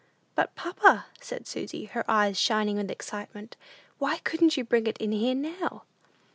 "But, papa," said Susy, her eyes shining with excitement, "why couldn't you bring it in here now?"